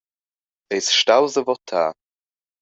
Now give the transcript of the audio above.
Eis staus a votar?